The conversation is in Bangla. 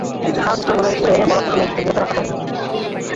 তাঁরও নিশ্চয় মনে হয়েছিল, এসব বলা থেকে মেয়েটিকে বিরত রাখা যায় না।